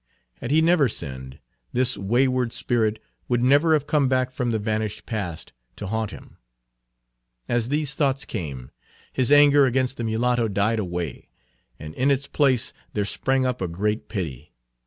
Had he never sinned, this wayward spirit would never have come back from the vanished past to haunt him. As these thoughts came, his anger against the mulatto died away, and in its place there sprang up a great pity.